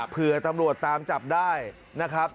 เผื่อตำรวจตามจับได้นะครับ